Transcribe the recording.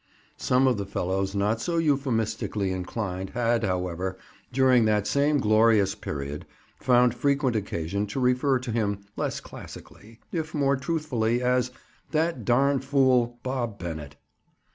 Some of the fellows not so euphemistically inclined had, however, during that same glorious period found frequent occasion to refer to him less classically, if more truthfully, as "that darn fool, Bob Bennett."